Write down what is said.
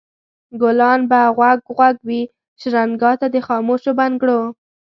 ګلان به غوږ غوږ وي شرنګا ته د خاموشو بنګړو